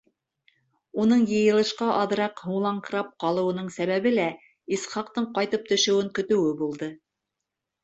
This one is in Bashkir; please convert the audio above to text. Уның йыйылышҡа аҙыраҡ һуңлаңҡырап ҡалыуының сәбәбе лә Исхаҡтың ҡайтып төшөүен көтөүе булды.